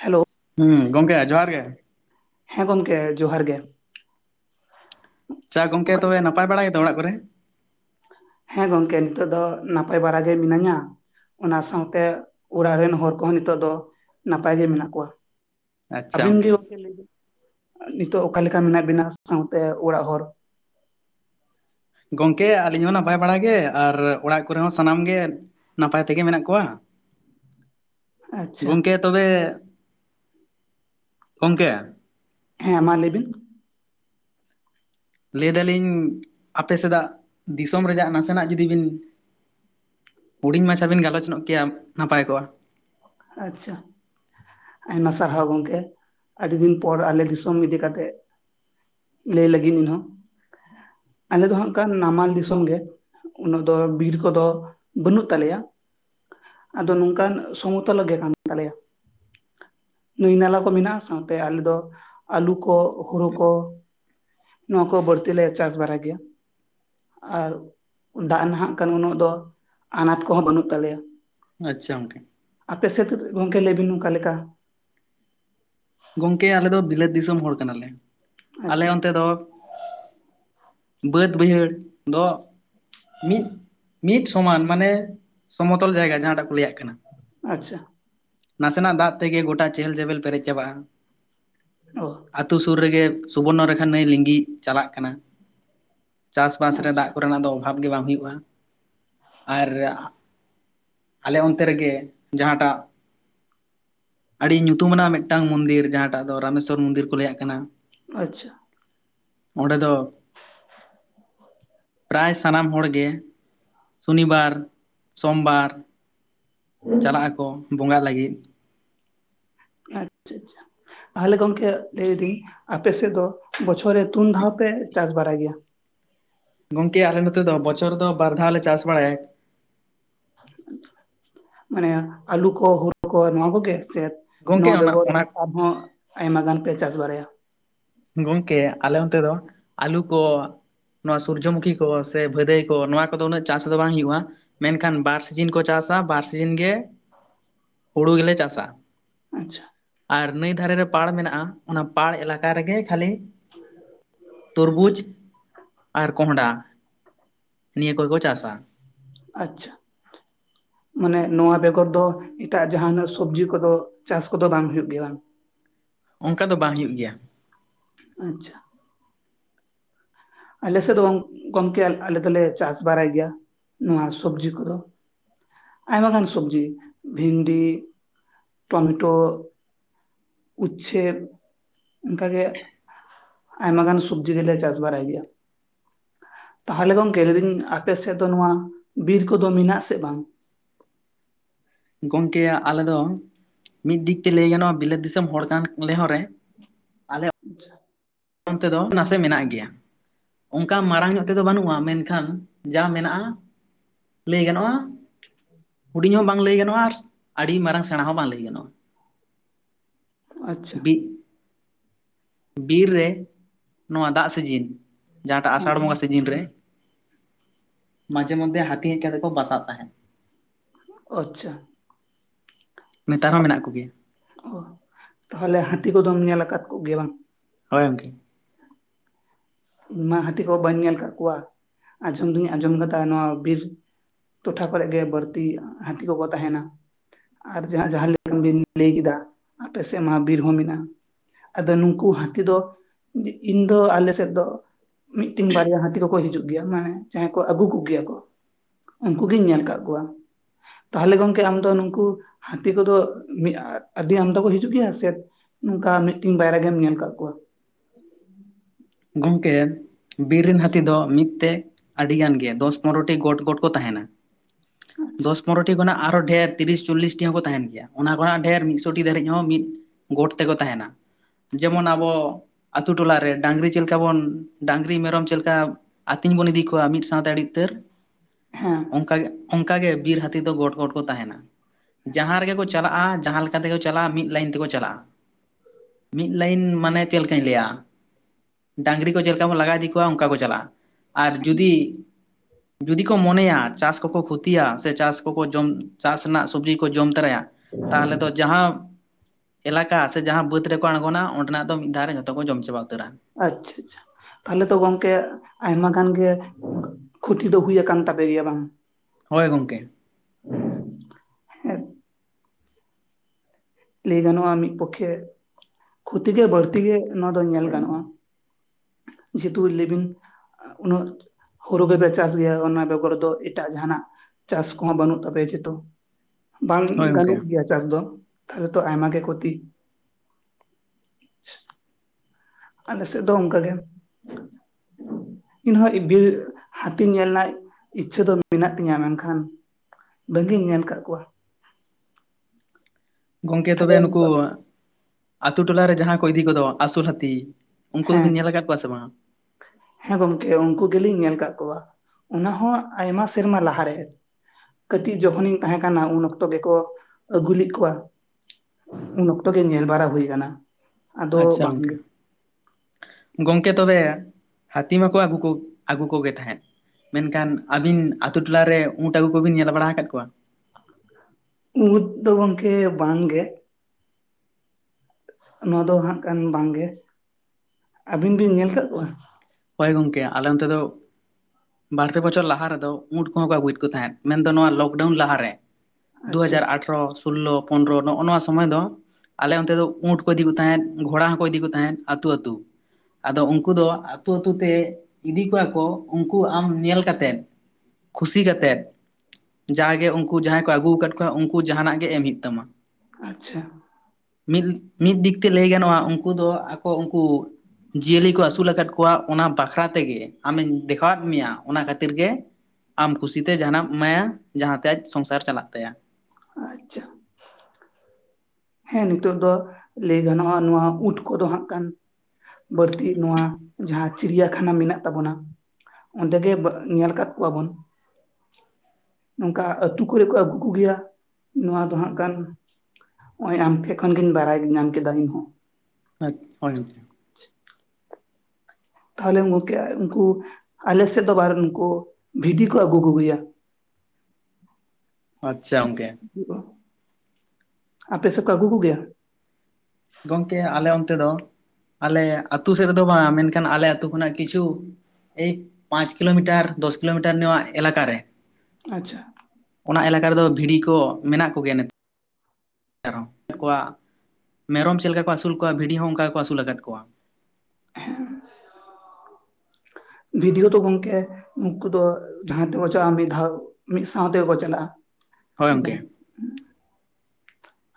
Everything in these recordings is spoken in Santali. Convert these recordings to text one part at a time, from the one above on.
ᱦᱮᱞᱳ ᱦᱮᱸ, ᱜᱚᱝᱠᱮ ᱡᱚᱸᱦᱟᱨ ᱜᱮ᱾ ᱦᱮᱸ ᱜᱚᱢᱠᱮ ᱡᱚᱸᱦᱟᱨ ᱜᱮ᱾ ᱟᱪᱷᱟ ᱜᱚᱢᱠᱮ‌ ᱚᱠᱟ ᱛᱚᱵᱮ ᱞᱮᱠᱟ ᱱᱟᱯᱟᱭ ᱵᱟᱲᱟᱭ ᱜᱮ ᱛᱚ ᱚᱲᱟᱜ ᱠᱚᱨᱮ‍? ᱦᱮᱸ ᱜᱚᱝᱠᱮ ᱱᱤᱛᱚᱜ ᱫᱚ ᱱᱟᱯᱟᱭ ᱵᱟᱲᱟᱜ ᱜᱮ ᱢᱤᱱᱟᱹᱧᱟ᱾ ᱚᱱᱟ ᱥᱟᱸᱣᱛᱮ ᱚᱲᱟᱜ ᱨᱮᱱ ᱦᱚᱲ ᱠᱚᱦᱚᱸ ᱱᱤᱛᱚᱜ ᱫᱚ ᱱᱟᱯᱟᱭ ᱜᱮ ᱢᱮᱱᱟᱜ ᱠᱚᱣᱟ᱾ ᱟᱹᱵᱤᱱ ᱜᱮ ᱜᱚᱝᱠᱮ ᱞᱟᱹᱭ ᱵᱤᱱ ᱱᱤᱛᱳᱜ ᱚᱠᱟ ᱞᱮᱠᱟ ᱢᱮᱱᱟᱜ ᱵᱤᱱᱟ, ᱥᱟᱸᱣᱛᱮ ᱚᱲᱟᱜ ᱦᱚᱲ? ᱜᱚᱝᱠᱮ ᱟᱹᱞᱤᱧ ᱦᱚᱸ ᱱᱟᱯᱟᱭ ᱵᱟᱲᱟ ᱜᱮ ᱟᱨ ᱚᱲᱟᱜ ᱠᱚᱨᱮ ᱦᱚᱸ ᱥᱟᱱᱟᱢ ᱜᱮ ᱱᱟᱯᱟᱭ ᱛᱮᱜᱮ ᱢᱮᱱᱟᱜ ᱠᱚᱣᱟ᱾ ᱦᱮᱸ [unintelligible] ᱜᱚᱝᱠᱮ ᱛᱚᱵᱮ ᱜᱚᱝᱠᱮ, ᱦᱮᱸ, ᱢᱟ ᱞᱟᱹᱭ ᱵᱤᱱ? ᱞᱟᱹᱭ ᱫᱟᱞᱤᱧ ᱟᱯᱮ ᱥᱮᱫᱟᱜ ᱫᱤᱥᱚᱢ ᱨᱮᱭᱟᱜ ᱱᱟᱥᱮᱱᱟᱜ ᱡᱩᱫᱤ ᱵᱤᱱᱼᱼ ᱦᱩᱰᱤᱧ ᱢᱟᱪᱷᱟ ᱵᱤᱱ ᱜᱟᱞᱚᱪ ᱧᱚᱜ ᱠᱮᱭᱟ ᱱᱟᱯᱟᱭ ᱠᱚᱜᱼᱟ? ᱟᱪᱪᱷᱟ, ᱟᱭᱢᱟ ᱥᱟᱨᱦᱟᱣ ᱜᱚᱢᱠᱮ ᱟᱹᱰᱤ ᱫᱤᱱ ᱯᱚᱨ ᱟᱞᱮ ᱫᱤᱥᱚᱢ ᱤᱫᱤ ᱠᱟᱛᱮᱫᱼᱼ ᱞᱟᱹᱭ ᱞᱟᱹᱜᱤᱫ ᱤᱧᱦᱚᱸ, ᱟᱞᱮ ᱫᱚ ᱦᱟᱸᱜ ᱠᱷᱟᱱ ᱱᱟᱢᱟᱞ ᱫᱤᱥᱚᱢ ᱜᱮ, ᱩᱱᱟᱹᱜ ᱫᱚ ᱵᱤᱨ ᱠᱚᱫᱚ ᱵᱟᱹᱱᱩᱜ ᱛᱟᱞᱮᱭᱟ ᱟᱫᱚ ᱱᱚᱝᱠᱟᱱ ᱥᱚᱢ ᱯ [unintelligible] ᱞᱜᱭᱟ ᱠᱟᱱᱟᱱ ᱛᱟᱞᱭᱟ ᱱᱟᱹᱭ ᱱᱟᱞᱟ ᱠᱚ ᱢᱮᱱᱟᱜᱼᱟ ᱥᱟᱣᱛᱮ ᱟᱞᱮ ᱫᱚ ᱟᱹᱞᱩ ᱠᱚ ᱦᱳᱲᱳ ᱠᱚᱼᱼ ᱱᱚᱣᱟ ᱠᱚ ᱵᱟᱹᱲᱛᱤ ᱞᱮ ᱪᱟᱥ ᱵᱟᱲᱟ ᱜᱮᱭᱟ᱾ ᱟᱨ ᱫᱟᱜ ᱱᱟᱦᱟᱜ ᱠᱟᱱᱟ ᱩᱱᱟᱹᱜ ᱫᱚ ᱟᱱᱟᱴ ᱠᱚᱦᱚᱸ ᱵᱟᱹᱱᱩᱜ ᱛᱟᱞᱮᱭᱟ᱾ ᱟᱪᱪᱷᱟ, ᱜᱚᱝᱠᱮ ᱟᱯᱮ ᱥᱮ ᱜᱚᱝᱠᱮ ᱞᱟᱹᱭ ᱵᱤᱱ ᱚᱠᱟ ᱞᱮᱠᱟ? ᱜᱚᱝᱠᱮ ᱟᱞᱮ ᱫᱚ ᱵᱤᱞᱟᱹᱛ ᱫᱤᱥᱚᱢ ᱦᱚᱲ ᱠᱟᱱᱟᱞᱮ ᱟᱞᱮ ᱟᱪᱪᱷᱟ ᱚᱱᱛᱮ ᱫᱚᱼᱼ [unintelligible] ᱵᱟᱹᱫᱽ ᱵᱟᱹᱭᱦᱟᱹᱲ ᱫᱚᱼᱼ ᱢᱤᱫ ᱢᱤᱫ ᱥᱚᱢᱟᱱ ᱢᱟᱱᱮ ᱥᱚᱢᱚᱛᱚᱞ ᱡᱟᱭᱜᱟ ᱡᱟᱦᱟᱸᱴᱟᱜ ᱠᱚ ᱞᱟᱹᱭᱟᱜ ᱠᱟᱱᱟ᱾ ᱟᱪᱪᱷᱟ, ᱱᱟᱥᱮᱱᱟᱜ ᱫᱟᱜ ᱛᱮᱜᱮ ᱜᱚᱴᱟ ᱪᱮᱦᱮᱞ ᱪᱮᱵᱮᱞ ᱯᱮᱨᱮᱡ ᱪᱟᱵᱟᱜᱼᱟ, ᱚ ᱟᱛᱳ ᱥᱩᱨ ᱨᱮᱜᱮ ᱥᱩᱵᱚᱨᱱᱚ ᱨᱮᱠᱷᱟ ᱱᱟᱹᱭ ᱞᱤᱸᱜᱤ ᱪᱟᱞᱟᱜ ᱠᱟᱱᱟ, ᱪᱟᱥᱵᱟᱥ ᱨᱮ ᱫᱟᱜ ᱟᱪᱪᱷᱟ ᱠᱚᱨᱮᱱᱟᱜ ᱫᱚ ᱚᱵᱷᱟᱵᱽ ᱜᱮ ᱵᱟᱝ ᱦᱩᱭᱩᱜᱼᱟ ᱟᱨᱼᱼ ᱟᱞᱮ ᱚᱱᱛᱮ ᱨᱮᱜᱮ ᱡᱟᱦᱟᱸᱴᱟᱜᱼᱼ ᱟᱹᱰᱤ ᱧᱩᱛᱩᱢᱟᱱᱟᱜ ᱢᱤᱫᱴᱟᱝ ᱢᱚᱱᱫᱤᱨ ᱡᱟᱦᱟᱸᱴᱟᱜ ᱫᱚ ᱨᱟᱢᱮᱥᱥᱚᱨ ᱢᱚᱱᱫᱤᱨ ᱠᱚ ᱞᱟᱹᱭᱟᱜ ᱠᱟᱱᱟ᱾ ᱟᱪᱪᱷᱟ᱾ ᱚᱸᱰᱮ ᱫᱚ᱾ ᱯᱨᱟᱭ ᱥᱟᱱᱟᱢ ᱦᱚᱲ ᱜᱮ ᱥᱚᱱᱤᱵᱟᱨ ᱥᱚᱢᱵᱟᱨᱼᱼ ᱪᱟᱞᱟᱜ ᱟᱠᱚ ᱵᱚᱸᱜᱟᱜ ᱞᱟᱹᱜᱤᱫ᱾ ᱟᱪᱪᱷᱟ ᱟᱪᱪᱷᱟ᱾ ᱛᱟᱦᱚᱞᱮ ᱜᱚᱝᱠᱮ ᱞᱟᱹᱭᱫᱟᱹᱧ ᱟᱯᱮᱥᱮᱫ ᱫᱚ ᱵᱚᱪᱷᱚᱨ ᱨᱮ ᱛᱩᱱ ᱫᱷᱟᱣ ᱯᱮ ᱪᱟᱥ ᱵᱟᱲᱟᱭ ᱜᱮᱭᱟ? ᱜᱚᱝᱠᱮ ᱟᱞᱮ ᱱᱚᱛᱮ ᱫᱚ ᱵᱚᱪᱷᱚᱨ ᱫᱚ ᱵᱟᱨ ᱫᱷᱟᱣᱞ ᱞᱮ ᱪᱟᱥ ᱵᱟᱲᱟᱭᱟ᱾ ᱢᱟᱱᱮ ᱟᱞᱩ ᱠᱚ ᱦᱩᱲᱩ ᱠᱚ ᱱᱚᱣᱟ ᱠᱚᱜᱮ ᱥᱮᱼᱼ ᱜᱚᱝᱠᱮ ᱱᱚᱣᱟ ᱚᱱᱟ ᱵᱮᱜᱚᱨ ᱚᱱᱟ ᱟᱨᱦᱚᱸ ᱟᱭᱢᱟ ᱜᱟᱱ ᱯᱮ ᱪᱟᱥ ᱵᱟᱲᱟᱭᱟ? ᱜᱚᱝᱠᱮ ᱟᱞᱮ ᱚᱱᱛᱮ ᱫᱚ ᱟᱹᱞᱩ ᱠᱚᱼᱼ ᱱᱚᱣᱟ ᱥᱩᱨᱡᱚᱢᱩᱠᱷᱤ ᱠᱚ ᱥᱮ ᱵᱷᱟᱹᱫᱟᱹᱭ ᱠᱚ ᱱᱚᱣᱟ ᱠᱚᱫᱚ ᱩᱱᱟᱹᱜ ᱪᱟᱥ ᱫᱚ ᱵᱟᱝ ᱦᱳᱭᱳᱜᱼᱟ? ᱢᱮᱱᱠᱷᱟᱱ ᱵᱟᱨ ᱥᱤᱡᱤᱱ ᱠᱚ ᱪᱟᱥᱼᱟ ᱵᱟᱨ ᱥᱤᱡᱤᱱ ᱜᱮ ᱦᱩᱲᱩ ᱜᱮᱞᱮ ᱪᱟᱥᱟ ᱾ ᱟᱪᱪᱷᱟ ᱾ ᱟᱨ ᱱᱟᱹᱭ ᱫᱷᱟᱨᱮ ᱨᱮ ᱯᱟᱲ ᱢᱮᱱᱟᱜᱼᱟ, ᱚᱱᱟ ᱯᱟᱲ ᱮᱞᱟᱠᱟ ᱨᱮᱜᱮᱼᱼ ᱠᱷᱟᱞᱤ ᱛᱩᱨᱵᱩᱡᱽᱼᱼ ᱟᱨ ᱠᱚᱦᱰᱷᱟ ᱱᱤᱭᱟᱹ ᱠᱚᱠᱚ ᱪᱟᱥᱟ ᱾ ᱟᱪᱪᱷᱟ ᱾ ᱢᱟᱱᱮ ᱱᱚᱣᱟ ᱵᱮᱜᱚᱨ ᱫᱚ ᱮᱴᱟᱜ ᱡᱟᱦᱟᱸ ᱱᱟᱜ ᱥᱚᱵᱽᱡᱤ ᱠᱚᱫᱚ ᱪᱟᱥ ᱠᱚᱫᱚ ᱵᱟᱝ ᱦᱩᱭᱩᱜ ᱜᱮᱭᱟ ᱵᱟᱝ? ᱚᱱᱠᱟ ᱫᱚ ᱵᱟᱝ ᱦᱩᱭᱩᱜ ᱜᱮᱭᱟ ᱟᱪᱪᱷᱟ ᱾ ᱟᱞᱮ ᱥᱮᱫ ᱫᱚ ᱵᱟᱝ ᱜᱚᱢᱠᱮ, ᱟᱞᱮ ᱫᱚᱞᱮ ᱪᱟᱥ ᱵᱟᱲᱟᱭ ᱜᱮᱭᱟ ᱱᱚᱣᱟ ᱥᱚᱵᱡᱽᱤ ᱠᱚᱫᱚ ᱾ ᱟᱭᱢᱟ ᱜᱟᱱ ᱥᱚᱵᱽᱡᱤ ᱵᱷᱤᱱᱰᱤ, ᱴᱚᱢᱮᱴᱳᱼᱼ ᱩᱪᱪᱷᱮᱫ ᱚᱱᱠᱟᱜᱮᱼᱼ ᱟᱭᱢᱟ ᱜᱟᱱ ᱥᱚᱵᱽᱡᱤ ᱜᱮᱞᱮ ᱪᱟᱥ ᱵᱟᱲᱟᱭ ᱜᱮᱭᱟ ᱾ ᱛᱟᱦᱚᱞᱮ ᱜᱚᱝᱠᱮ ᱞᱟᱹᱭ ᱫᱟᱹᱧ ᱟᱯᱮ ᱥᱮᱫ ᱫᱚ ᱱᱚᱣᱟ ᱵᱤᱨ ᱠᱚᱫᱚ ᱢᱮᱱᱟᱜ ᱟᱥᱮ ᱵᱟᱝ? ᱜᱚᱢᱠᱮ ᱟᱞᱮ ᱫᱚ ᱢᱤᱫ ᱫᱤᱠ ᱛᱮ ᱞᱟᱹᱭ ᱜᱟᱱᱚᱜᱼᱟ ᱵᱤᱞᱟᱹᱛ ᱫᱤᱥᱚᱢ ᱦᱚᱲ ᱠᱟᱱ ᱞᱮᱦᱚᱨᱮᱼᱼ ᱟᱪᱪᱷᱟ ᱾ ᱚᱱᱛᱮ ᱫᱚ ᱱᱟᱥᱮ ᱢᱮᱱᱟᱜ ᱜᱮᱭᱟ ᱾ ᱚᱱᱠᱟ ᱢᱟᱨᱟᱝ ᱧᱚᱜ ᱛᱮᱫᱚ ᱵᱟᱹᱱᱩᱜᱼᱟ, ᱢᱮᱱᱠᱷᱟᱱ ᱡᱟ ᱢᱮᱱᱟᱜᱼᱟᱼᱼ ᱞᱟᱹᱭ ᱜᱟᱱᱚᱜᱼᱟᱼᱼ ᱦᱩᱰᱤᱧ ᱦᱚᱸ ᱵᱟᱝ ᱞᱟᱹᱭ ᱜᱟᱱᱚᱜᱼᱟ ᱟᱨ ᱟᱹᱰᱤ ᱢᱟᱨᱟᱝ ᱥᱮᱬᱟ ᱦᱚᱸ ᱵᱟᱝ ᱞᱟᱹᱭ ᱜᱟᱱᱚᱜᱼᱟ ᱾ ᱟᱪᱪᱷᱟ ᱵᱤᱜ ᱵᱤᱨ ᱨᱮ ᱱᱚᱣᱟ ᱫᱟᱜ ᱥᱤᱡᱤᱱᱼᱼ ᱡᱟᱦᱟᱸ ᱴᱟᱜ ᱟᱥᱟᱲ ᱵᱚᱸᱜᱟ ᱥᱤᱡᱤᱱ ᱨᱮ, ᱢᱟᱡᱷᱮ ᱢᱚᱫᱽᱫᱷᱮ ᱦᱟᱹᱛᱤ ᱦᱮᱡ ᱠᱟᱛᱮ ᱠᱚ ᱵᱟᱥᱟᱜ ᱛᱟᱦᱮᱸᱫ ᱾ ᱟᱪᱪᱷᱟ ᱾ ᱱᱮᱛᱟᱨ ᱦᱚᱸ ᱢᱮᱱᱟᱜ ᱠᱚᱜᱮᱭᱟ ᱾ ᱚ ᱛᱟᱦᱚᱞᱮ ᱦᱟᱹᱛᱤ ᱠᱚᱫᱚᱢ ᱧᱮᱞ ᱟᱠᱟᱫ ᱠᱚᱜᱮᱭᱟ ᱵᱟᱝ? ᱦᱚᱭ ᱜᱚᱝᱠᱮ ᱾ ᱤᱧᱢᱟ ᱦᱟᱹᱛᱤ ᱠᱚ ᱵᱟᱹᱧ ᱧᱮᱞ ᱟᱠᱟᱫ ᱠᱚᱣᱟ, ᱟᱸᱡᱚᱢ ᱫᱩᱧ ᱟᱸᱡᱚᱢ ᱟᱠᱟᱫᱟ ᱱᱚᱣᱟ ᱵᱤᱨᱼᱼ ᱴᱚᱴᱷᱟ ᱠᱚᱨᱮᱜ ᱜᱮ ᱵᱟᱹᱲᱛᱤ ᱦᱟᱹᱛᱤ ᱠᱚᱠᱚ ᱛᱟᱦᱮᱱᱟ ᱾ ᱟᱨ ᱡᱟᱦᱟᱸ ᱡᱟᱦᱟᱸ ᱮᱠᱟ ᱵᱤᱱ ᱞᱟᱹᱭ ᱠᱮᱫᱟ, ᱟᱯᱮ ᱥᱮᱫᱢᱟ ᱵᱤᱨ ᱦᱚᱸ ᱢᱮᱱᱟᱜᱼᱟ ᱾ ᱟᱫᱚ ᱱᱩᱠᱩ ᱦᱟᱹᱛᱤ ᱫᱚ ᱤᱧ ᱫᱚ ᱟᱞᱮ ᱥᱮᱫ ᱫᱚᱼᱼ ᱢᱤᱫᱴᱮᱱ ᱵᱟᱨᱭᱟ ᱦᱟᱹᱛᱤ ᱠᱚᱠᱚ ᱦᱤᱡᱩᱜ ᱜᱮᱭᱟ, ᱢᱟᱱᱮ ᱡᱟᱦᱟᱸᱭ ᱠᱚ ᱟᱹᱜᱩ ᱠᱚᱜᱮᱭᱟ ᱠᱚ ᱾ ᱩᱱᱠᱩ ᱫᱩᱧ ᱧᱮᱞ ᱟᱠᱟᱫ ᱠᱚᱣᱟ ᱾ ᱛᱟᱦᱚᱞᱮ ᱜᱚᱝᱠᱮ ᱟᱢᱫᱚ ᱱᱩᱠᱩ ᱦᱟᱹᱛᱤ ᱠᱚᱫᱚ ᱟᱹᱰᱤ ᱟᱢᱫᱟ ᱠᱚ ᱦᱤᱡᱩᱜ ᱜᱮᱭᱟ ᱥᱮᱼᱼ ᱱᱚᱝᱠᱟ ᱢᱤᱫᱴᱮᱱ ᱵᱟᱭᱨᱮ ᱜᱮᱢ ᱧᱮᱞ ᱟᱠᱟᱫ ᱠᱚᱣᱟ ᱾ ᱜᱚᱢᱠᱮ ᱾ ᱵᱤᱨ ᱨᱮᱱ ᱦᱟᱹᱛᱤ ᱫᱚ ᱢᱤᱫᱛᱮ ᱟᱹᱰᱤᱜᱟᱱ ᱜᱮ ᱫᱚᱥ ᱯᱚᱱᱨᱚᱴᱤ ᱜᱚᱴ ᱜᱚᱴ ᱠᱚ ᱛᱟᱦᱮᱱᱟ ᱾ ᱟᱪᱪᱷᱟ ᱫᱚᱥ ᱯᱚᱱᱨᱚᱴᱤ ᱠᱷᱚᱱᱟᱜᱼᱼ ᱟᱨᱦᱚ ᱰᱷᱮᱨ ᱛᱤᱨᱤᱥ ᱪᱳᱞᱞᱤᱥᱴᱤ ᱦᱚᱸᱠᱚ ᱛᱟᱦᱮᱱ ᱜᱮᱭᱟ, ᱚᱱᱟ ᱠᱷᱚᱟᱜ ᱰᱷᱮᱨ ᱢᱤᱫᱥᱚ ᱴᱤ ᱫᱷᱟᱹᱨᱤᱡ ᱦᱚᱸ ᱢᱤᱫᱼᱼ ᱜᱚᱴ ᱛᱮᱠᱚ ᱛᱟᱦᱮᱱᱟ ᱾ᱡᱮᱢᱚᱱ ᱟᱵᱚ ᱟᱛᱩ ᱴᱚᱞᱟ ᱨᱮᱼᱼ ᱰᱟᱝᱨᱤ ᱪᱮᱫ ᱞᱮᱠᱟ ᱵᱚᱱ ᱰᱟᱝᱨᱤ ᱢᱮᱨᱚᱢ ᱪᱮᱫ ᱞᱮᱠᱟᱼᱼ ᱟᱹᱛᱤᱧ ᱵᱚᱱ ᱤᱫᱤ ᱠᱚᱣᱟ ᱢᱤᱫ ᱥᱟᱶᱛᱮ ᱟᱹᱰᱤ ᱩᱛᱟᱹᱨᱼᱼ ᱦᱮᱸ ᱚᱱᱠᱟ ᱜᱮ, ᱚᱱᱟᱠᱟ ᱜᱮ, ᱵᱤᱨ ᱦᱟᱹᱛᱤ ᱫᱚ ᱜᱚᱴ ᱜᱚᱴ ᱠᱚ ᱛᱟᱦᱮᱸᱱᱟ, ᱡᱟᱦᱟᱸ ᱨᱮᱜᱮ ᱠᱚ ᱪᱟᱞᱟᱜ ᱪᱟᱞ-ᱟ ᱡᱟᱦᱟᱸ ᱞᱮᱠᱟ ᱛᱮᱠᱚ ᱪᱟᱞᱟᱜ-ᱟ ᱢᱤᱫ ᱞᱟᱭᱤᱱ ᱛᱮᱠᱚ ᱪᱟᱞᱟᱜ-ᱟ ᱢᱤᱫ ᱞᱟᱭᱤᱱ ᱢᱟᱱᱮ ᱪᱮᱫ ᱞᱮᱠᱟᱧ ᱞᱟᱹᱭᱟ ᱰᱟᱝᱨᱤ ᱠᱚ ᱪᱮᱫ ᱞᱮᱠᱟ ᱵᱚᱱ ᱞᱟᱜᱟ ᱤᱫᱤ ᱠᱚᱣᱟ ᱚᱱᱠᱟ ᱠᱚ ᱪᱟᱞᱟᱜ-ᱟ ᱟᱨ ᱡᱩᱫᱤ ᱡᱩᱫᱤ ᱠᱚ ᱢᱚᱱᱮᱭᱟ ᱪᱟᱥ ᱠᱚᱠᱚ ᱠᱷᱚᱛᱤᱭᱟ ᱥᱮ ᱪᱟᱥ ᱠᱚᱠᱚ ᱡᱚᱢ ᱪᱟᱥ ᱨᱮᱱᱟᱜ ᱥᱚᱵᱡᱤ ᱠᱚ ᱡᱚᱢ ᱛᱚᱨᱟᱭᱟ ᱛᱟᱦᱚᱞᱮ ᱫᱚ ᱡᱟᱦᱟᱸ ᱮᱞᱟᱠᱟ ᱥᱮ ᱡᱟᱦᱟᱸ ᱵᱟᱹᱫᱽ ᱨᱮᱠᱚ ᱟᱬᱜᱚᱱᱟ ᱚᱸᱰᱮᱱᱟᱜ ᱫᱚ ᱢᱤᱫ ᱫᱷᱟᱣ ᱨᱮ ᱡᱚᱛᱚ ᱠᱚ ᱡᱚᱢ ᱪᱟᱵᱟ ᱩᱛᱟᱹᱨ ᱟ᱾ ᱟᱪᱪᱷᱟ ᱪᱷᱟ ᱛᱟᱦᱚᱞᱮ ᱛᱚ ᱜᱚᱝᱠᱮ ᱟᱭᱢᱟ ᱜᱟᱱ ᱜᱮ ᱠᱷᱚᱛᱤ ᱫᱚ ᱦᱩᱭ ᱟᱠᱟᱱ ᱛᱟᱯᱮ ᱜᱮᱭᱟ ᱵᱟᱝ ᱦᱳᱭ ᱜᱚᱢᱠᱮ ᱦᱮᱸ ᱞᱟᱹᱭ ᱜᱟᱱᱚᱜ-ᱟ ᱢᱤᱫ ᱯᱚᱠᱷᱮ ᱠᱷᱚᱛᱤ ᱜᱮ ᱵᱟᱹᱲᱛᱤ ᱜᱮ ᱱᱚᱣᱟ ᱫᱚ ᱧᱮᱞ ᱜᱟᱱᱚᱜ-ᱟ᱾ ᱡᱮᱦᱮᱛᱩ ᱞᱟᱹᱭ ᱵᱤᱱ ᱩᱱᱟᱹᱜ ᱦᱩᱲᱩ ᱜᱮᱯᱮ ᱪᱟᱥ ᱜᱮᱭᱟ ᱚᱱᱟ ᱵᱮᱜᱚᱨ ᱫᱚ ᱮᱴᱟᱜ ᱡᱟᱦᱱᱟᱜ ᱪᱟᱥ ᱠᱚᱦᱚᱸ ᱵᱟᱹᱱᱩᱜ ᱛᱟᱯᱮᱭᱟ ᱡᱚᱛᱚ ᱵᱟᱝ ᱦᱳᱭ ᱜᱚᱝᱠᱮ ᱜᱟᱱᱚᱜ ᱜᱮᱭᱟ ᱪᱟᱥ ᱫᱚ ᱛᱟᱦᱚᱞᱮ ᱛᱚ ᱟᱭᱢᱟ ᱜᱮ ᱠᱷᱚᱛᱤ ᱟᱞᱮ ᱥᱮᱫ ᱫᱚ ᱚᱱᱠᱟᱜ ᱜᱮ, ᱤᱧᱦᱚᱸ ᱵᱤᱨ ᱦᱟᱹᱛᱤᱧ ᱧᱮᱞᱱᱟᱭ ᱤᱪᱪᱷᱟᱹ ᱫᱚ ᱢᱮᱱᱟᱜ ᱛᱤᱧᱟᱹ ᱢᱮᱱᱠᱷᱟᱱ ᱵᱟᱹᱝᱜᱤᱧ ᱧᱮᱞ ᱠᱟᱫ ᱠᱚᱣᱟ᱾ ᱜᱚᱢᱠᱮ ᱛᱟᱦᱚᱞᱮ ᱛᱚᱵᱮ ᱱᱩᱠᱩ ᱟᱛᱩ ᱴᱚᱞᱟᱨᱮ ᱡᱟᱦᱟᱭ ᱠᱚ ᱤᱫᱤ ᱠᱩᱫᱚᱜ ᱟᱹᱥᱩᱞ ᱦᱟᱹᱛᱤ ᱩᱱᱠᱩ ᱦᱮᱸ ᱫᱚᱵᱤᱱ ᱧᱮᱞ ᱟᱠᱟᱫ ᱠᱚᱣᱟ ᱥᱮ ᱵᱟᱝ? ᱦᱮᱸ ᱜᱚᱝᱠᱮ ᱩᱱᱠᱩ ᱜᱮᱞᱤᱧ ᱧᱮᱞ ᱠᱟᱫ ᱠᱚᱣᱟ ᱚᱱᱟ ᱦᱚᱸ ᱟᱭᱢᱟ ᱥᱮᱨᱢᱟ ᱞᱟᱦᱟᱨᱮ ᱠᱟᱹᱴᱤᱡ ᱡᱚᱠᱷᱚᱱᱤᱧ ᱛᱟᱦᱮᱸ ᱠᱟᱱᱟ ᱩᱱ ᱚᱠᱛᱚ ᱜᱮᱠᱚ ᱟᱹᱜᱩ ᱞᱤᱫ ᱠᱚᱣᱟ ᱩᱱ ᱚᱠᱛᱚ ᱜᱮ ᱧᱮᱞ ᱵᱟᱲᱟ ᱦᱩᱭ ᱠᱟᱱᱟ᱾ ᱟᱪᱪᱷᱟ ᱜᱚᱝᱠᱮ ᱜᱚᱝᱠᱮ ᱛᱚᱵᱮ ᱦᱟᱛᱤ ᱢᱟᱠᱚ ᱟᱹᱜᱩ ᱠᱚᱜᱮ ᱛᱟᱦᱮᱸᱫ ᱢᱮᱱᱠᱷᱟᱱ ᱟᱹᱵᱤᱱ ᱟᱛᱳ ᱴᱚᱞᱟᱨᱮ ᱩᱴ ᱟᱹᱜᱩ ᱠᱚᱵᱤᱱ ᱧᱮᱞ ᱵᱟᱲᱟ ᱠᱟᱫ ᱠᱚᱣᱟ? ᱩᱴ ᱫᱚ ᱜᱚᱝᱠᱮ ᱵᱟᱝ ᱜᱮ ᱱᱚᱣᱟ ᱫᱚ ᱦᱟᱸᱜ ᱠᱟᱱ ᱵᱟᱝ ᱜᱮ ᱟᱹᱵᱤᱱ ᱵᱤᱱ ᱧᱮᱞ ᱠᱟᱫ ᱠᱚᱣᱟ ᱦᱳᱭ ᱜᱚᱝᱠᱮ ᱟᱞᱮ ᱚᱱᱛᱮ ᱫᱚ ᱵᱟᱨᱯᱮ ᱵᱚᱪᱷᱚᱨ ᱞᱟᱦᱟᱨᱮᱫᱚ ᱩᱴ ᱠᱚᱦᱚᱸ ᱠᱚ ᱟᱹᱜᱩᱭᱮᱫ ᱠᱚ ᱛᱟᱦᱮᱸᱫ ᱢᱮᱱ ᱫᱚ ᱱᱚᱣᱟ ᱞᱚᱠᱰᱟᱣᱩᱱ ᱞᱟᱦᱟᱨᱮ ᱫᱩ ᱟᱪᱪᱷᱟ ᱦᱟᱡᱟᱨ ᱟᱴᱷᱨᱚ ᱥᱳᱞ ᱞᱳ ᱯᱚᱱᱨᱚ ᱱᱚᱜ-ᱚᱭ ᱱᱚᱣᱟ ᱥᱚᱢᱚᱭ ᱫᱚ ᱟᱞᱮ ᱚᱱᱛᱮ ᱫᱚ ᱩᱸᱴ ᱠᱚ ᱤᱫᱤ ᱠᱚ ᱛᱟᱦᱮᱸᱫ ᱜᱷᱚᱲᱟ ᱦᱚᱸᱠᱚ ᱤᱫᱤ ᱠᱚ ᱛᱟᱦᱮᱸᱫ ᱟᱹᱛᱩ ᱟᱹᱛᱩ ᱟᱫᱚ ᱩᱱᱠᱩ ᱫᱚ ᱟᱹᱛᱩ ᱟᱹᱛᱩ ᱛᱮ ᱤᱫᱤ ᱠᱚᱣᱟ ᱠᱚ ᱩᱱᱠᱩ ᱟᱢ ᱧᱮᱞ ᱠᱟᱛᱮᱡ ᱠᱷᱩᱥᱤ ᱠᱟᱛᱮᱡ ᱡᱟᱭᱜᱮ ᱩᱱᱠᱩ ᱡᱟᱦᱟᱸᱭ ᱠᱚ ᱟᱹᱜᱩ ᱠᱟᱫ ᱠᱚᱣᱟ ᱩᱱᱠᱩ ᱡᱟᱦᱟᱱᱟᱜ ᱜᱮ ᱮᱢ ᱦᱩᱭᱩᱜ ᱛᱟᱢᱟ ᱟᱪᱪᱷᱟ ᱢᱤᱫ ᱢᱤᱫ ᱫᱤᱠ ᱛᱮ ᱞᱟᱹᱭ ᱜᱟᱱᱚᱜ-ᱟ ᱩᱱᱠᱩ ᱫᱚ ᱟᱠᱚ ᱩᱱᱠᱩ ᱡᱮ ᱞᱤ ᱠᱚ ᱟᱹᱥᱩᱞ ᱟᱠᱟᱫ ᱠᱚᱣᱟ ᱚᱱᱟ ᱵᱟᱠᱷᱨᱟ ᱛᱮᱜᱮ ᱟᱢᱤᱧ ᱫᱮᱠᱷᱟᱣᱟᱫ ᱢᱮᱭᱟ ᱚᱱᱟ ᱠᱷᱟᱹᱛᱤᱨ ᱜᱮ ᱟᱢ ᱠᱩᱥᱤᱛᱮ ᱡᱟᱦᱟᱱᱟᱜ ᱮᱢᱟᱭᱟ ᱡᱟᱦᱟᱸ ᱛᱮ ᱟᱡ ᱥᱚᱝᱥᱟᱨ ᱪᱟᱞᱟᱜ ᱛᱟᱭᱟ᱾ ᱟᱪᱪᱷᱟ ᱦᱮᱸ ᱱᱤᱛᱚᱜ ᱫᱚ ᱞᱟᱹᱭ ᱜᱟᱱᱚᱜ-ᱟ ᱱᱚᱣᱟ ᱩᱸᱴ ᱠᱚᱫᱚ ᱦᱟᱸᱜ ᱠᱟᱱ ᱵᱟᱹᱲᱛᱤ ᱱᱚᱣᱟ ᱡᱟᱦᱟᱸ ᱪᱤᱲᱭᱟᱠᱷᱟᱱᱟ ᱢᱮᱱᱟᱜ ᱛᱟᱵᱚᱱᱟ ᱚᱸᱰᱮ ᱜᱮ ᱧᱮᱞ ᱟᱠᱟᱫ ᱠᱚᱣᱟᱵᱚᱱ ᱱᱚᱝᱠᱟ ᱟᱹᱛᱩ ᱠᱚᱨᱮ ᱠᱚ ᱟᱹᱜᱩ ᱠᱚᱜᱮᱭᱟ ᱱᱚᱣᱟ ᱫᱚ ᱦᱟᱸᱜ ᱠᱟᱱ ᱱᱚᱭ ᱟᱢ ᱴᱷᱮ ᱠᱷᱚᱱ ᱜᱤᱧ ᱵᱟᱲᱟᱭ ᱧᱟᱢ ᱠᱮᱫᱟ ᱤᱧᱦᱚᱸ ᱦᱪ ᱦᱚᱭ [unintelligible] ᱛᱟᱦᱚᱞᱮ ᱜᱚᱢᱠᱮ [unintelligible] ᱩᱱᱠᱩ ᱟᱞᱮᱥᱮᱫ ᱫᱚ ᱵᱟᱨ ᱩᱱᱠᱩ ᱵᱷᱤᱰᱤ ᱠᱩ ᱟᱹᱜᱩ ᱠᱚ ᱜᱤᱭᱟ ᱟᱪᱪᱷᱟ ᱜᱚᱢᱠᱮ᱾ [inaudible] ᱟᱯᱮ ᱥᱮᱫ ᱠᱚ ᱟᱹᱜᱩ ᱠᱚᱜᱮᱭᱟ? ᱜᱚᱢᱠᱮ ᱟᱞᱮ ᱚᱱᱛᱮ ᱫᱚ ᱟᱞᱮ ᱟᱹᱛᱩ ᱥᱮᱫ ᱨᱮᱫᱚ ᱵᱟᱝ ᱢᱮᱱᱠᱷᱟᱱ ᱟᱞᱮ ᱟᱹᱛᱩ ᱠᱷᱚᱱᱟᱜ ᱠᱤᱪᱷᱩ ᱮᱭ ᱯᱟᱸᱪ ᱠᱤᱞᱳᱢᱤᱴᱟᱨ, ᱫᱚᱥ ᱠᱤᱞᱳᱢᱤᱴᱟᱨ ᱱᱚᱣᱟ ᱮᱞᱟᱠᱟ ᱨᱮ᱾ ᱟᱪᱷᱟ᱾ ᱚᱱᱟ ᱮᱞᱟᱠᱟ ᱨᱮᱫᱚ ᱵᱷᱤᱲᱰᱤ ᱠᱚ ᱢᱮᱱᱟᱜ ᱠᱚᱜᱮᱭᱟ ᱱᱮᱛᱟᱨ ᱦᱚ ᱢᱮᱱᱟᱜ ᱠᱚᱣᱟ᱾ ᱢᱮᱨᱚᱢ ᱪᱮᱫ ᱞᱮᱠᱟ ᱠᱚ ᱟᱹᱥᱩᱞ ᱠᱚᱣᱟ, ᱵᱷᱤᱰᱤ ᱦᱚᱸ ᱚᱱᱠᱟ ᱠᱚ ᱟᱹᱥᱩᱞ ᱟᱠᱟᱫ ᱠᱚᱣᱟ᱾ [unintelligible] ᱵᱤᱫᱤᱭ ᱛᱚ ᱜᱚᱢᱠᱮ ᱩᱱᱠᱩ ᱫᱚ ᱡᱟᱦᱟᱸ ᱛᱮ ᱵᱚᱱ ᱪᱟᱞᱟᱜᱼᱟ ᱢᱤᱫ ᱫᱷᱟᱣ ᱢᱤᱫ ᱥᱟᱣ ᱛᱮᱠᱚ ᱪᱟᱞᱟᱜᱼᱟ᱾ ᱦᱳᱭ ᱜᱚᱝᱠᱮ᱾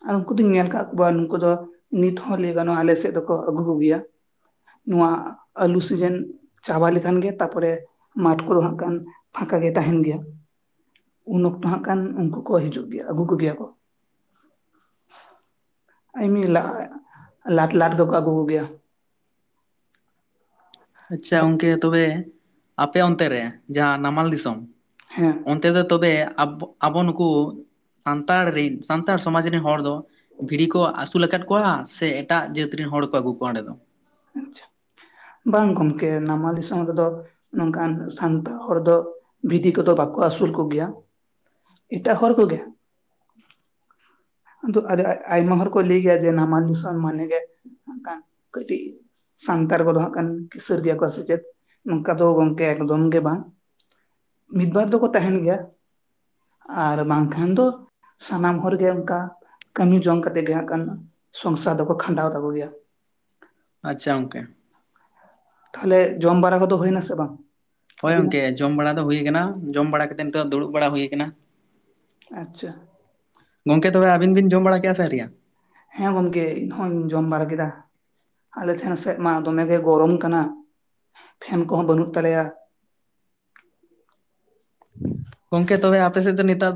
ᱟᱨ ᱩᱝᱠᱩ ᱫᱩᱧ ᱧᱮᱞ ᱟᱠᱟᱫ ᱠᱚᱣᱟ ᱱᱩᱠᱩ ᱫᱚ ᱱᱤᱛ ᱦᱚᱸ ᱞᱟᱹᱭ ᱜᱟᱱᱚᱜᱼᱟ ᱟᱞᱮ ᱥᱮᱫ ᱫᱚᱠᱚ ᱟᱹᱜᱩ ᱠᱚᱜᱮᱭᱟ᱾ ᱱᱚᱣᱟ ᱟᱹᱞᱩ ᱥᱤᱡᱮᱱ ᱪᱟᱵᱟ ᱞᱮᱠᱷᱟᱱ ᱜᱮ ᱛᱟᱨᱯᱚᱨᱮ ᱢᱟᱴ ᱠᱚᱫᱚ ᱦᱟᱸᱜ ᱠᱷᱟᱱ ᱯᱷᱟᱸᱠᱟ ᱜᱮ ᱛᱟᱦᱮᱸᱱ ᱜᱮᱭᱟ ᱾ ᱩᱱ ᱚᱠᱛᱚ ᱦᱟᱸᱜ ᱠᱷᱟᱱ ᱩᱝᱠᱩ ᱠᱚ ᱦᱤᱡᱩᱜ ᱜᱮᱭᱟ ᱟᱹᱜᱩ ᱠᱚᱜᱮᱭᱟ ᱠᱚ᱾ ᱮᱢᱱᱤ ᱞᱟᱴ ᱞᱟᱴ ᱫᱚᱠᱚ ᱟᱹᱜᱩ ᱠᱚ ᱜᱮᱭᱟ᱾ ᱟᱪᱪᱷᱟ ᱜᱚᱝᱠᱮ ᱛᱚᱵᱮ ᱟᱯᱮ ᱚᱱᱛᱮ ᱨᱮ ᱡᱟᱦᱟᱸ ᱱᱟᱢᱟᱞ ᱫᱤᱥᱚᱢ ᱦᱮᱸ᱾ ᱚᱱᱛᱮ ᱫᱚ ᱛᱚᱵᱮᱚ ᱟᱵᱚ ᱟᱵᱚ ᱱᱩᱠᱩ ᱥᱟᱱᱛᱟᱲ ᱨᱤᱱ ᱥᱟᱱᱛᱟᱲ ᱥᱚᱢᱟᱡ ᱨᱮᱱ ᱦᱚᱲ ᱫᱚ ᱵᱷᱤᱲᱤ ᱠᱚ ᱟᱹᱥᱩᱞᱟ ᱠᱟᱫ ᱠᱚᱣᱟ ᱥᱮ ᱮᱴᱟᱜ ᱡᱟᱹᱛ ᱨᱮᱱ ᱦᱚᱲ ᱠᱚ ᱟᱹᱜᱩ ᱠᱚᱣᱟ ᱚᱸᱰᱮ ᱫᱚ? ᱟᱪᱪᱷᱟ, ᱵᱟᱝ ᱜᱚᱢᱠᱮ ᱱᱟᱢᱟᱞ ᱫᱤᱥᱚᱢ ᱨᱮᱫᱚ ᱱᱚᱝᱠᱟᱱ ᱥᱟᱱᱛᱟᱲ ᱦᱚᱲ ᱫᱚ ᱵᱷᱤᱰᱤ ᱠᱚᱫᱚ ᱵᱟᱠᱚ ᱟᱹᱥᱩᱞ ᱠᱚᱜᱮᱭᱟ᱾ ᱮᱴᱟᱜ ᱦᱚᱲ ᱠᱚᱜᱮ᱾ ᱟᱫᱚ ᱟᱫᱮ ᱟᱭ ᱟᱭᱢᱟ ᱦᱚᱲᱚᱨ ᱠᱚ ᱞᱤᱭᱜᱮᱭᱟ ᱡᱮ ᱱᱟᱢᱟᱞ ᱫᱤᱥᱚᱢ ᱢᱟᱱᱮ ᱜᱮ ᱱᱟᱠᱷᱟ ᱠᱟᱹᱴᱤᱡ ᱥᱟᱱᱛᱟᱲ ᱠᱚᱫᱚ ᱦᱟᱸᱟᱜ ᱠᱤᱥᱟᱹᱲ ᱜᱮᱭᱟ ᱠᱚ ᱥᱮᱪᱮᱫ, ᱱᱚᱝᱠᱟ ᱫᱚ ᱜᱚᱝᱠᱮ ᱮᱠᱫᱚᱢ ᱜᱮ ᱵᱟᱝ᱾ ᱢᱤᱫ ᱵᱟᱨ ᱫᱚᱠᱚ ᱛᱟᱦᱮᱸᱱ ᱜᱮᱭᱟ, ᱟᱨ ᱵᱟᱝᱠᱷᱟᱱ ᱫᱚ ᱥᱟᱱᱟᱢ ᱦᱚᱲ ᱜᱮ ᱚᱝᱠᱟ ᱠᱟᱹᱢᱤ ᱡᱚᱝ ᱠᱟᱛᱮᱫ ᱜᱮ ᱦᱟᱸᱜ ᱠᱟᱱ ᱥᱚᱝᱥᱟᱨ ᱫᱚᱠᱚ ᱠᱷᱟᱸᱰᱟᱣ ᱛᱟᱠᱚ ᱜᱮᱭᱟ ᱾ ᱟᱪᱪᱷᱟ ᱜᱚᱢᱠᱮ᱾ ᱛᱟᱦᱚᱞᱮ ᱡᱚᱢ ᱵᱟᱲᱟ ᱠᱚᱫᱚ ᱦᱩᱭᱱᱟᱥ ᱵᱟᱝ? ᱦᱳᱭ ᱟᱹᱵᱤᱱᱟᱜ ᱜᱚᱢᱠᱮ ᱡᱚᱢ ᱵᱟᱲᱟ ᱠᱚᱫᱚ ᱦᱩᱭ ᱠᱟᱱᱟ, ᱡᱚᱢ ᱵᱟᱲᱟ ᱠᱟᱛᱮᱫ ᱱᱤᱛᱚᱜ ᱫᱩᱲᱩᱵ ᱵᱟᱲᱟ ᱦᱩᱭ ᱠᱟᱱᱟ ᱾ ᱟᱪᱪᱷᱟ᱾ ᱜᱚᱢᱠᱮ ᱛᱚᱵᱮ ᱟᱵᱤᱱ ᱵᱤᱱ ᱡᱚᱢ ᱵᱟᱲᱟ ᱠᱮᱭᱟ ᱥᱮ ᱟᱣᱨᱤᱭᱟ? ᱦᱮᱸ ᱜᱚᱢᱠᱮ ᱤᱧ ᱦᱚᱧ ᱡᱚᱢ ᱵᱟᱲᱟ ᱠᱮᱫᱟ᱾ ᱟᱞᱮ ᱴᱷᱮᱱ ᱥᱮᱫ ᱢᱟ ᱫᱚᱢᱮᱜᱮ ᱜᱚᱨᱚᱢ ᱠᱟᱱᱟ, ᱯᱷᱮᱱ ᱠᱚᱦᱚᱸ ᱵᱟᱹᱱᱩᱜ ᱛᱟᱞᱮᱭᱟ᱾ ᱜᱚᱝᱠᱮ ᱛᱚᱵᱮ ᱟᱯᱮᱥᱮᱫ ᱫᱚ ᱱᱮᱛᱟᱨ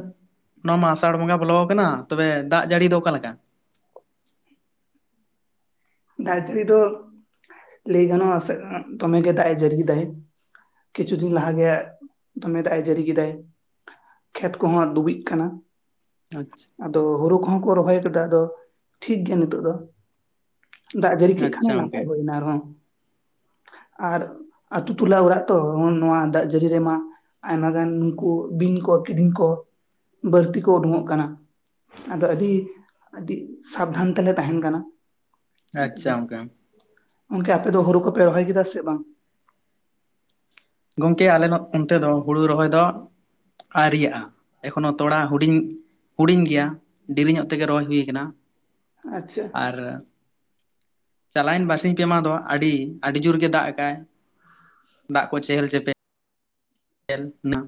ᱱᱚᱣᱟ ᱢᱟ ᱟᱥᱟᱲ ᱵᱚᱸᱜᱟ ᱵᱚᱞᱚ ᱠᱟᱱᱟ, ᱛᱚᱵᱮ ᱫᱟᱜ ᱡᱟᱹᱲᱤ ᱫᱚ ᱚᱠᱟᱞᱮᱠᱟ? ᱫᱟᱜ ᱡᱟᱹᱲᱤ ᱫᱚ ᱞᱟᱹᱭ ᱜᱟᱱᱚᱜᱼᱟ ᱫᱚᱢᱮ ᱜᱮ ᱫᱟᱜᱼᱮ ᱡᱟᱹᱨᱤ ᱫᱟᱭ ᱾ ᱠᱤᱪᱷᱩ ᱫᱤᱱ ᱞᱟᱦᱟ ᱜᱮ ᱫᱚᱢᱮ ᱫᱟᱜ ᱡᱟᱹᱨᱤ ᱠᱮᱫᱟᱭ ᱾ ᱠᱷᱮᱛ ᱠᱚᱦᱚᱸ ᱰᱩᱵᱤᱡ ᱠᱟᱱᱟ᱾ ᱟᱪᱪᱷᱟ᱾ ᱟᱫᱚ ᱦᱳᱲᱩ ᱠᱚᱦᱚᱸ ᱠᱚ ᱨᱚᱦᱚᱭ ᱠᱟᱫᱟ ᱟᱫᱚ ᱴᱷᱤᱠ ᱜᱮᱭᱟ ᱱᱤᱛᱚᱜ ᱫᱚ᱾ ᱫᱟᱜ ᱡᱟᱹᱲᱤ ᱠᱮᱜ ᱠᱷᱟᱱᱮ ᱟᱪᱪᱷᱟ ᱜᱚᱝᱠᱮ ᱱᱟᱯᱟᱭ ᱦᱩᱭᱱᱟ ᱟᱨᱦᱚᱸ, ᱟᱨ ᱟᱛᱩ ᱴᱚᱞᱟ ᱚᱲᱟᱜ ᱛᱚ ᱱᱚᱣᱟ ᱫᱟᱜ ᱡᱟᱹᱲᱤ ᱨᱮᱢᱟ ᱟᱭᱢᱟ ᱜᱟᱱ ᱱᱩᱠᱩ ᱵᱤᱧ ᱠᱚ ᱠᱤᱫᱤᱧ ᱠᱚ ᱵᱟᱹᱲᱛᱤ ᱠᱚ ᱩᱰᱩᱠᱚᱜ ᱠᱟᱱᱟ᱾ ᱟᱫᱚ ᱟᱹᱰᱤ ᱟᱹᱰᱤ ᱥᱟᱵᱫᱷᱟᱱ ᱛᱮᱞᱮ ᱛᱟᱦᱮᱸᱱ ᱠᱟᱱᱟ᱾ ᱟᱪᱪᱷᱟ ᱚᱝᱠᱟ ᱚᱱᱠᱮ ᱟᱯᱮ ᱫᱚ ᱦᱩᱲᱩ ᱠᱚ ᱯᱮ ᱨᱚᱦᱚᱭ ᱠᱮᱫᱟ ᱥᱮ ᱵᱟᱝ? ᱜᱚᱝᱠᱮ ᱟᱞᱮ ᱱᱚᱛ ᱚᱱᱛᱮ ᱫᱚ ᱦᱩᱲᱩ ᱨᱚᱦᱚᱭ ᱫᱚᱼᱼ ᱟᱹᱨᱤᱭᱟᱜᱼᱟ ᱮᱠᱷᱚᱱᱚ ᱛᱚᱲᱟ ᱦᱩᱰᱤᱧ ᱦᱩᱰᱤᱧ ᱜᱮᱭᱟ ᱾ ᱰᱮᱨᱤ ᱧᱚᱜ ᱛᱮᱜᱮ ᱨᱚᱦᱚᱭ ᱦᱩᱭ ᱟᱠᱟᱱᱟ ᱾ ᱟᱪᱪᱷᱟ ᱾ ᱟᱨ ᱪᱟᱞᱟᱣᱮᱱ ᱵᱟᱨᱥᱤᱧ ᱯᱮ ᱢᱟᱦᱟ ᱫᱚ ᱟᱹᱰᱤ ᱟᱹᱰᱤ ᱡᱩᱨ ᱜᱮ ᱫᱟᱜ ᱟᱠᱟᱜᱼᱟᱭ ᱾ ᱪᱮᱦᱮᱞ ᱪᱮᱯᱮᱼᱼ ᱮᱞᱯ ᱱᱟ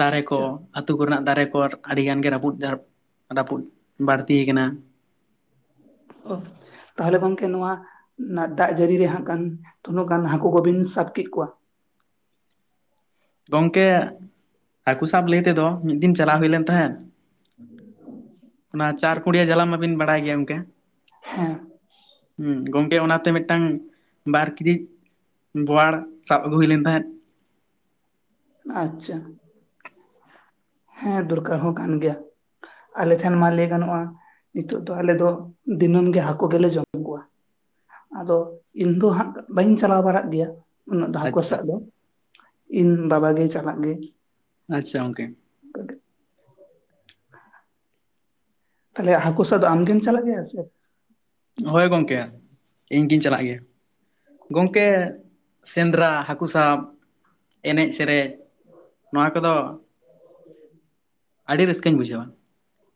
ᱫᱟᱨᱮ ᱠᱚᱼᱼ ᱟᱪᱪᱷᱟ ᱟᱹᱛᱩ ᱠᱚᱨᱮᱱᱟᱜ ᱫᱟᱨᱮ ᱠᱚᱨ ᱟᱹᱰᱤ ᱜᱟᱱ ᱜᱮ ᱨᱟᱹᱯᱩᱫ ᱡᱟ ᱨᱟᱹᱯᱩᱫ ᱵᱟᱹᱲᱛᱤ ᱟᱠᱟᱱᱟ ᱾ ᱚᱦ ᱛᱟᱦᱚᱞᱮ ᱜᱚᱝᱠᱮ ᱱᱚᱣᱟ ᱫᱟᱜ ᱡᱟᱹᱲᱤ ᱨᱮ ᱦᱟᱸᱜ ᱜᱟᱱ ᱛᱩᱱᱟᱹᱜ ᱜᱟᱱ ᱦᱟᱹᱠᱩ ᱠᱚᱵᱤᱱ ᱥᱟᱵ ᱠᱮᱫ ᱠᱚᱣᱟ? ᱜᱚᱝᱠᱮ ᱦᱟᱹᱠᱩ ᱥᱟᱵ ᱞᱟᱹᱭ ᱛᱮᱫᱚ ᱢᱤᱫ ᱫᱤᱱ ᱪᱟᱞᱟᱣ ᱦᱩᱭ ᱞᱮᱱ ᱛᱟᱦᱮᱸᱫ ᱾ ᱚᱱᱟ ᱪᱟᱨ ᱟᱪᱪᱷᱟ ᱠᱩᱲᱤᱭᱟ ᱡᱟᱞᱟᱢ ᱢᱟᱵᱤᱱ ᱵᱟᱲᱟᱭ ᱜᱮᱭᱟ ᱜᱚᱢᱠᱮ, ᱦᱮᱸ ᱦᱩᱸ ᱜᱚᱝᱠᱮ ᱚᱱᱟᱛᱮ ᱢᱤᱫᱴᱟᱝ ᱵᱟᱨ ᱠᱤᱡᱤᱭᱤᱡᱼᱼ ᱵᱳᱣᱟᱲ ᱥᱟᱵ ᱟᱹᱜᱩ ᱦᱩᱭ ᱞᱮᱱ ᱛᱟᱦᱮᱸᱫ ᱾ ᱟᱪᱪᱷᱟ ᱾ ᱦᱮᱸ ᱫᱩᱨᱠᱟᱨ ᱦᱚᱸ ᱠᱟᱱ ᱜᱮᱭᱟ, ᱟᱞᱮ ᱴᱷᱮᱱ ᱢᱟ ᱞᱟᱹᱭ ᱜᱟᱱᱚᱜᱼᱟᱼᱼ ᱱᱤᱛᱚᱜ ᱫᱚ ᱟᱞᱮ ᱫᱚ ᱫᱤᱱᱟᱹᱢ ᱜᱮ ᱦᱟᱹᱠᱩ ᱜᱮᱞᱮ ᱡᱚᱢ ᱠᱚᱣᱟ ᱾ ᱟᱫᱚ ᱤᱧᱫᱚ ᱦᱟᱸᱜ ᱵᱟᱹᱧ ᱪᱟᱞᱟᱣ ᱵᱟᱲᱟᱜ ᱜᱮᱭᱟ ᱾ ᱩᱱᱟᱹᱜ ᱫᱚ ᱦᱟᱹᱠᱩ ᱟᱪᱪᱷᱟ ᱥᱟᱵ ᱫᱚ ᱤᱧ ᱵᱟᱵᱟ ᱜᱮᱭ ᱪᱟᱞᱟᱜ ᱜᱮᱭᱟ ᱾ ᱟᱪᱪᱷᱟ ᱜᱚᱝᱠᱮ ᱾ ᱚᱠᱟ ᱴᱷᱮᱼᱼ ᱛᱟᱦᱚᱞᱮ ᱦᱟᱹᱠᱩ ᱥᱟᱵ ᱫᱚ ᱟᱢᱜᱮᱢ ᱪᱟᱞᱟᱜ ᱜᱮᱭᱟ ᱥᱮ? ᱦᱚᱭ ᱜᱚᱝᱠᱮ ᱤᱧ ᱜᱤᱧ ᱪᱟᱞᱟᱜ ᱜᱮᱭᱟ ᱾ ᱜᱚᱝᱠᱮ ᱥᱮᱸᱫᱽᱨᱟ ᱦᱟᱹᱠᱩ ᱥᱟᱵ ᱮᱱᱮᱡ ᱥᱮᱨᱮᱧᱼᱼ ᱱᱚᱣᱟ ᱠᱚᱫᱚᱼᱼ ᱚᱦ ᱚ ᱩᱫᱤᱢ [unintelligible] ᱟᱹᱰᱤ ᱨᱟᱹᱥᱠᱟᱹᱧ ᱵᱩᱡᱷᱟᱹᱣᱟ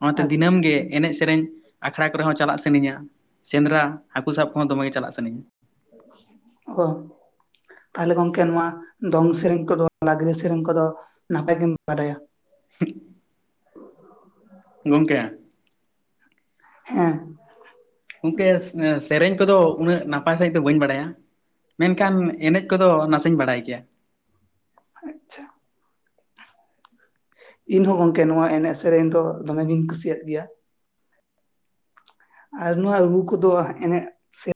ᱚᱱᱟᱛᱮ ᱟᱪᱪᱷᱟ ᱫᱤᱱᱟᱹᱢ ᱜᱮ ᱮᱱᱮᱡ ᱥᱮᱨᱮᱧᱼᱼ ᱟᱠᱷᱲᱟ ᱠᱚᱨᱮ ᱦᱚᱸ ᱪᱟᱞᱟᱜ ᱥᱟᱹᱱᱟᱧᱟ, ᱥᱮᱸᱫᱽᱨᱟ ᱦᱟᱹᱠᱩ ᱥᱟᱵ ᱠᱚᱦᱚᱸ ᱫᱚᱢᱮ ᱜᱮ ᱪᱟᱞᱟᱜ ᱥᱟᱹᱱᱟᱧᱟ ᱾ ᱚ ᱛᱟᱦᱚᱞᱮ ᱜᱚᱝᱠᱮ ᱱᱚᱣᱟ ᱫᱚᱝ ᱥᱮᱨᱮᱧ ᱠᱚᱫᱚ ᱞᱟᱜᱽᱲᱮ ᱥᱮᱨᱮᱧ ᱠᱚᱫᱚ ᱱᱟᱯᱟᱭ ᱜᱮᱢ ᱵᱟᱰᱟᱭᱟ ᱾ ᱦᱩᱜ [unintelligible] ᱪᱮᱫ ᱯᱮ ᱩᱛᱩᱭᱟᱭ? ᱜᱚᱝᱠᱮ ᱾ ᱦᱮᱸ ᱜᱚᱝᱠᱮ ᱥᱮᱨᱮᱧ ᱠᱚᱫᱚ ᱩᱱᱟᱹᱜ ᱱᱟᱯᱟᱭ ᱥᱟᱺᱦᱤᱡ ᱫᱚ ᱵᱟᱹᱧ ᱵᱟᱲᱟᱭᱟ, ᱢᱮᱱᱠᱷᱟᱱ ᱮᱱᱮᱡ ᱠᱚᱫᱚ ᱱᱟᱥᱮᱧ ᱵᱟᱲᱟᱭ ᱜᱮᱭᱟ ᱾ ᱟᱪᱪᱷᱟ ᱾ ᱤᱧ ᱦᱚᱸ ᱜᱚᱝᱠᱮ ᱱᱚᱣᱟ ᱮᱱᱮᱡ ᱥᱮᱨᱮᱧ ᱫᱚ ᱫᱚᱢᱮᱜᱤᱧ ᱠᱩᱥᱤᱭᱟᱜ ᱜᱮᱭᱟ ᱾ ᱟᱨ ᱱᱚᱣᱟ ᱨᱩ ᱠᱚᱫᱚ ᱮᱱᱮᱜᱼᱼ